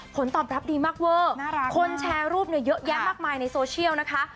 ผลตอบรับดีมากเวอร์คนแชร์รูปเนี่ยเยอะแยะมากมายในโซเชียลนะคะ